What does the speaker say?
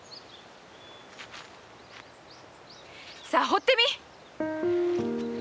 さあほってみい！